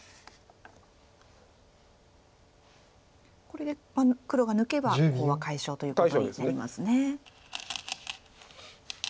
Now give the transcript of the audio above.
これで黒が抜けばコウは解消ということになりますね。